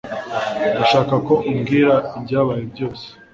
Ndashaka ko umbwira ibyabaye byose.